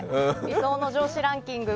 理想の上司ランキング